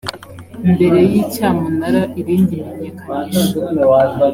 mbere y icyamunara irindi menyekanisha